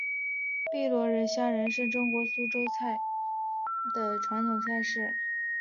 碧螺虾仁是中国苏州苏帮菜的著名传统菜式。